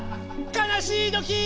かなしいときー！